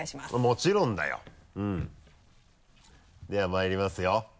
もちろんだよ。ではまいりますよ。